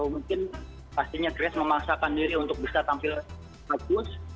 mungkin pastinya grace memaksakan diri untuk bisa tampil bagus